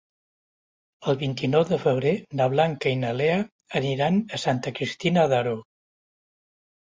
El vint-i-nou de febrer na Blanca i na Lea aniran a Santa Cristina d'Aro.